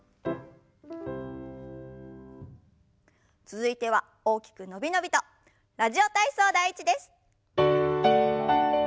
続いては大きく伸び伸びと「ラジオ体操第１」です。